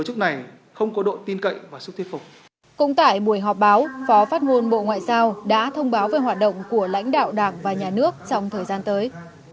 cũng tại buổi họp báo phó phát ngôn bộ ngoại giao đã thông báo về hoạt động của lãnh đạo đảng và nhà nước trong thời gian tới